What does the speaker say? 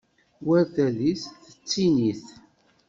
War tadist tettinit.